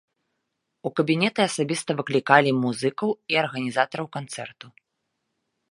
У кабінеты асабіста выклікалі музыкаў і арганізатараў канцэрту.